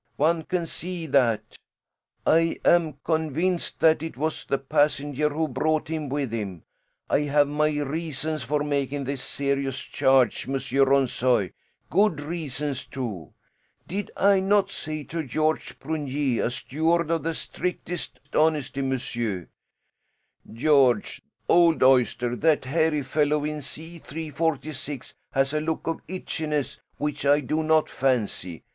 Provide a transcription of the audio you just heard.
One can see that. I am convinced that it was the passenger who brought him with him. I have my reasons for making this serious charge, Monsieur Ronssoy. Good reasons too. Did I not say to Georges Prunier a steward of the strictest honesty, monsieur 'Georges, old oyster, that hairy fellow in C 346 has a look of itchiness which I do not fancy.'